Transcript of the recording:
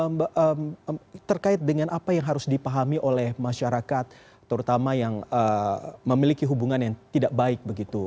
mbak terkait dengan apa yang harus dipahami oleh masyarakat terutama yang memiliki hubungan yang tidak baik begitu